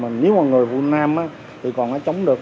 nếu mà người phụ nam thì còn nó chống được